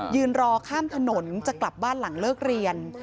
ยืนรอข้ามถนนจะกลับบ้านหลังเลิกเรียน